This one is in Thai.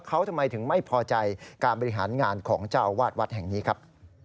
เขาทำไมถึงไม่พอใจการบริหารงานของเจ้าอาวาสวัดแห่งนี้ครับ